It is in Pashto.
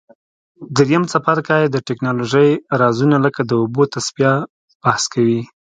دریم څپرکی د تکنالوژۍ رازونه لکه د اوبو تصفیه بحث کوي.